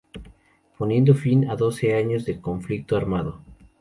Poniendo fin a doce años de conflicto armado.